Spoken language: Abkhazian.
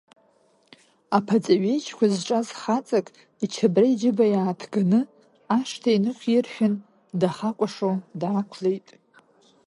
Аԥаҵа ҩеижьқәа зҿаз хаҵак ичабра иџьыба иааҭыганы, ашҭа инықәиршәын, дахакәашо даақәлеит.